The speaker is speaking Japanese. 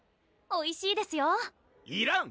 おいしいですよいらん！